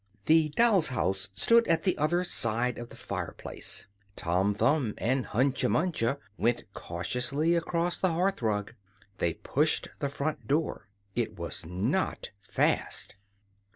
The doll's house stood at the other side of the fire place. Tom Thumb and Hunca Munca went cautiously across the hearthrug. They pushed the front door it was not fast.